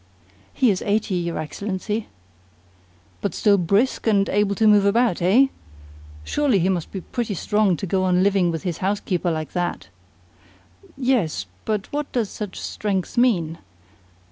"He is eighty, your Excellency." "But still brisk and able to move about, eh? Surely he must be pretty strong to go on living with his housekeeper like that?" "Yes. But what does such strength mean?